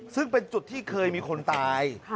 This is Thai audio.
ซึ่งเป็นจุดที่เคยมีคนตาย